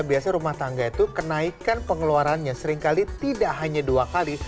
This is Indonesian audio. biasanya rumah tangga itu kenaikan pengeluarannya seringkali tidak hanya dua kali